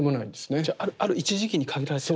じゃあある一時期に限られてる。